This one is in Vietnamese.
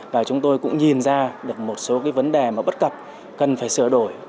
và chúng tôi cũng nhìn ra được một số vấn đề bất cập cần phải sửa đổi